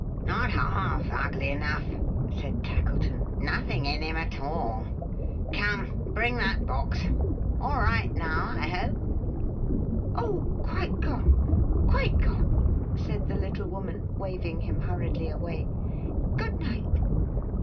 "Not half ugly enough," said Tackleton. "Nothing in him at all. Come! Bring that box! All right now, I hope?" "Oh quite gone! Quite gone!" said the little woman, waving him hurriedly away. "Good night!"